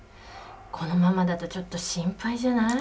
このままだとちょっと心配じゃない？